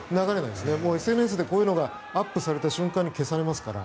ＳＮＳでこういうのがアップされた瞬間に消されますから。